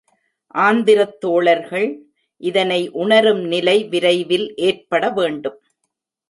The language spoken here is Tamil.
ஆந்திரத் தோழர்கள் இதனை உணரும் நிலை விரைவில் ஏற்பட வேண்டும்.